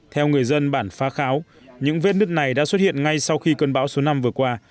theo người dân bản phá kháo những vết nứt này đã xuất hiện ngay sau khi cơn bão số năm vừa qua